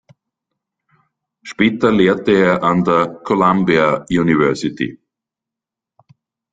Später lehrte er an der Columbia University.